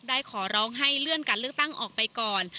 ขอร้องให้เลื่อนการเลือกตั้งออกไปก่อน